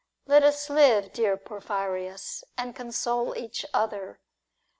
Let us live, dear Porphyrins,^ and console each other.